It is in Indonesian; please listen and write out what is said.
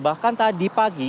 bahkan tadi pagi